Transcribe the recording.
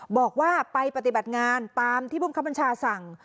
บอกว่าไปปฏิบัติงานตามที่ภูมิคับบัญชาสั่ง